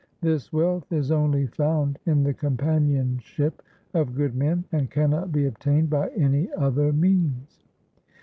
This wealth is only found in the companion ship of good men, and cannot be obtained by any other means.